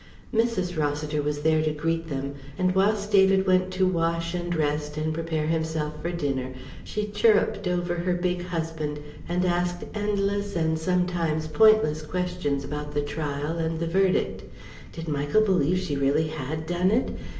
Mrs. Rossiter was there to greet them, and whilst David went to wash and rest and prepare himself for dinner, she chirrupped over her big husband, and asked endless and sometimes pointless questions about the trial and the verdict. "Did Michael believe she really had done it?